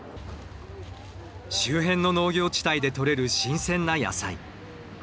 周辺の農業地帯で取れる新鮮な野菜。